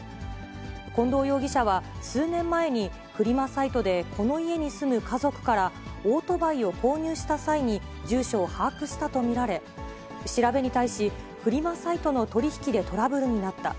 近藤容疑者は、数年前にフリマサイトでこの家に住む家族から、オートバイを購入した際に、住所を把握したと見られ、調べに対し、フリマサイトの取り引きでトラブルになった。